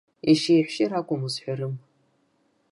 Еишьеи еиҳәшьеи ракәым узҳәарым.